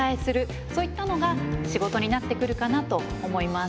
そういったのが仕事になってくるかなと思います。